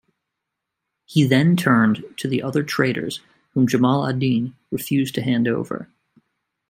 He then turned to the other traitors, whom Jamal ad-Din refused to hand over.